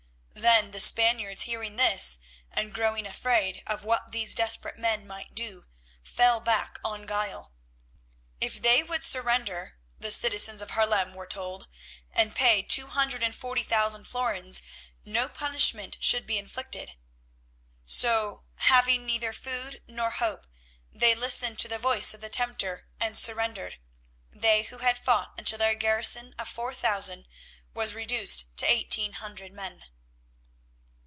Then the Spaniards hearing this and growing afraid of what these desperate men might do, fell back on guile. If they would surrender, the citizens of Haarlem were told, and pay two hundred and forty thousand florins, no punishment should be inflicted. So, having neither food nor hope, they listened to the voice of the tempter and surrendered, they who had fought until their garrison of four thousand was reduced to eighteen hundred men.